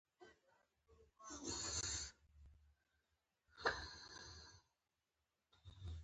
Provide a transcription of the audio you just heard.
او د هیواد او خلکو د ساتنې په روحیه وروزل شي